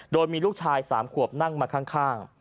โดยมีลูกชาย๓ขวบนั่งมาข้าง